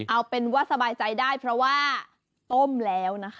เอาเป็นว่าสบายใจได้เพราะว่าต้มแล้วนะคะ